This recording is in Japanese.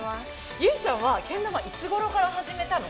ゆいちゃんはけん玉いつごろから始めたの？